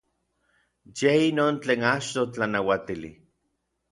Yej inon tlen achtoj tlanauatili.